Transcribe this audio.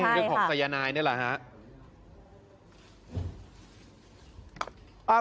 เรื่องของไซยานายนี่แหละฮะ